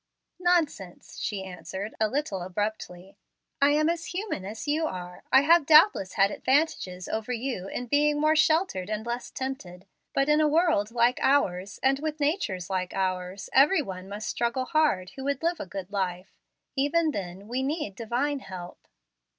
"Nonsense!" she answered, a little abruptly. "I am as human as you are. I have doubtless had advantages over you in being more sheltered and less tempted. But in a world like ours, and with natures like ours, every one must struggle hard who would live a good life. Even then we need Divine help."